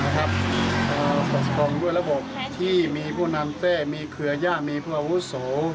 สะสมด้วยระบบที่มีพวกน้ำแซ่มีเครือย่ามีพวกอาวุศโส